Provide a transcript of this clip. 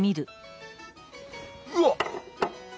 うわっ！